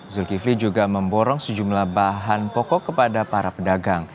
zulkifli juga memborong sejumlah bahan pokok kepada para pedagang